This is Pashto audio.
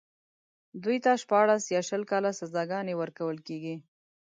دوی ته شپاړس يا شل کاله سزاګانې ورکول کېږي.